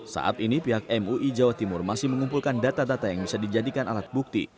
saat ini pihak mui jawa timur masih mengumpulkan data data yang bisa dijadikan alat bukti